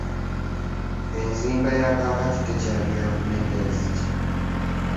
Enzimba ya kaakati tekyali yakumenya nzigi.